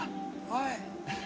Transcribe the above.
はい。